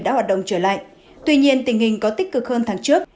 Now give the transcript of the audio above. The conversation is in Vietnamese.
đã hoạt động trở lại tuy nhiên tình hình có tích cực hơn tháng trước